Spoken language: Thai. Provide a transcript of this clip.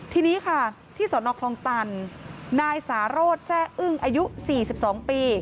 ทีนี้ค่ะที่สนคลองตันนายสารสแซ่อึ้งอายุ๔๒ปี